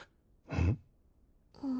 うん？